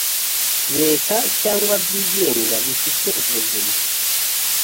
leta cyangwa byigenga bifite ubuzima